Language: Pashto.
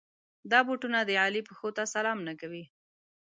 دا بوټونه د علي پښو ته سلام نه کوي.